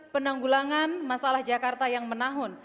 penanggulangan masalah jakarta yang menahun